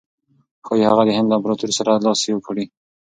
ښایي هغه د هند له امپراطور سره لاس یو کړي.